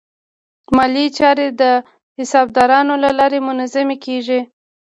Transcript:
مالي چارې د حسابدارانو له لارې منظمې کېږي.